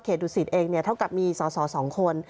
เขตดูสิทธิ์เองเท่ากับมีส่อสองคน